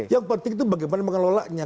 yang penting itu bagaimana mengelolanya